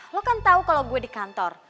lo kan tau kalo gue di kantor